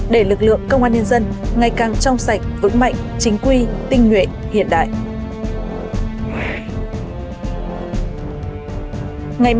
để lực lượng công an nhân dân ngày càng trong sạch vững mạnh chính quy tinh nguyện hiện đại